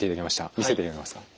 見せていただけますか。